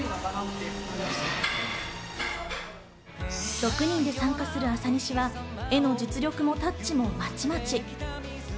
６人で参加する朝西は絵の実力もタッチもまちまち。